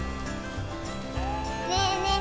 ねえねえ